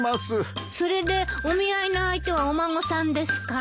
それでお見合いの相手はお孫さんですか？